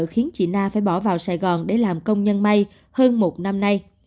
khiến chị na phải bỏ vào sài gòn để làm công nhân may hơn một năm nay